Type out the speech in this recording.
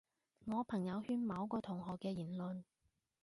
我朋友圈某個同學嘅言論